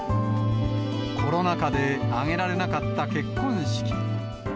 コロナ禍で挙げられなかった結婚式。